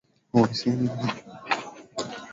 uwiano wao ni thelathini na saba